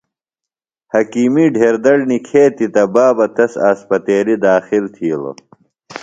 حکِیمی ڈھیر دڑ نِکھیتیۡ تہ بابہ تس اسپتیلیۡ داخل تِھیلوۡ۔